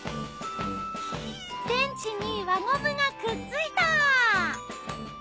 電池に輪ゴムがくっついた！